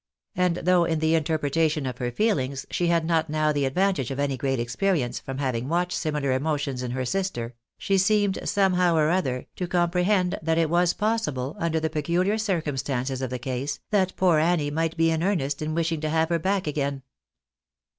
and though in the interpretation of her feelings she had not now the advantage of any great experience, from having watched simi lar emotions in her sister, she seemed, somehow or other, to com prehend that it was possible, under the peculiar circumstances of the case, that poor Annie might be in earnest in wishing to have her back again.